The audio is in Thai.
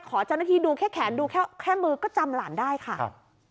เจ้าหน้าที่ดูแค่แขนดูแค่มือก็จำหลานได้ค่ะ